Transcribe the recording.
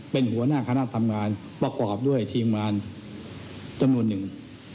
เป็นหัวหน้าคณะทำงานประกอบด้วยทีมงานจำนวนหนึ่ง